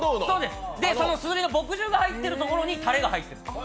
そのすずりが墨汁になっているところにたれが入ってる。